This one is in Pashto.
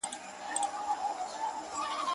دعا لکه چي نه مني یزدان څه به کوو؟؛